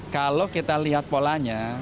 kalau kita lihat polanya